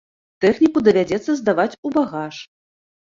Тэхніку давядзецца здаваць у багаж.